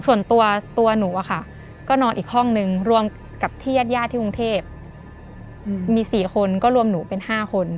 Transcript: ส่วนตัวตัวหนูอะค่ะก็นอนอีกห้องนึงรวมกับที่ญาติญาติที่กรุงเทพมี๔คนก็รวมหนูเป็น๕คน